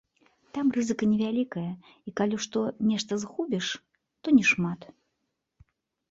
Там рызыка невялікая, і калі што нешта згубіш, то не шмат.